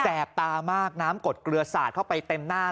ตามากน้ำกดเกลือสาดเข้าไปเต็มหน้า